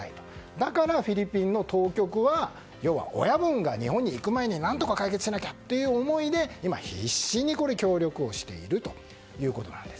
だからフィリピン当局は親分が日本に行く前に何とか解決しなきゃという思いで今、必死に協力をしているということなんです。